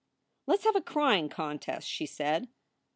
"Let s have a crying contest," she said.